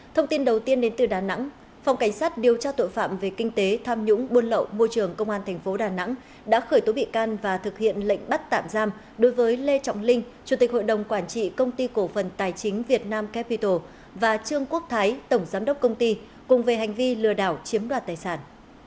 thông tin đầu tiên đến từ đà nẵng phòng cảnh sát điều tra tội phạm về kinh tế tham nhũng buôn lậu môi trường công an tp đà nẵng đã khởi tố bị can và thực hiện lệnh bắt tạm giam đối với lê trọng linh chủ tịch hội đồng quản trị công ty cổ phần tài chính việt nam capital và trương quốc thái tổng giám đốc công ty cùng về hành vi lừa đảo chiếm đoạt tài sản